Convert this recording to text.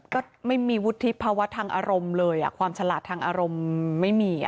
ก็ไม่มีวุฒิภาวะทางอารมณ์เลยความฉลาดทางอารมณ์ไม่มี